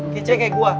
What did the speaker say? kece kayak gua